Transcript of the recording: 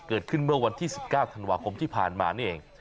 เกิดขึ้นเมื่อวันที่๑๙ธันวาคมที่ผ่านมานี่เอง